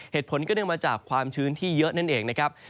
เหตุผลก็เนื่องมาจากความชื้นที่เยอะนั่นเองนะครับ